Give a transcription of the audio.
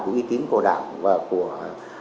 cái ý tính của đảng và của